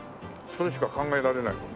それしか考えられないもんね。